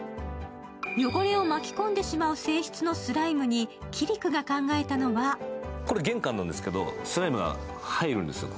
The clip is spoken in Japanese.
汚れを巻き込んでしまう性質のスライムにキリクが考えたのはこれ、玄関なんですけどスライムがここに入るんです。